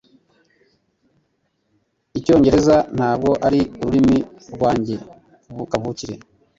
Icyongereza ntabwo ari ururimi rwanjye kavukire